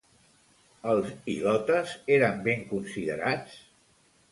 Els ilotes eren ben considerats?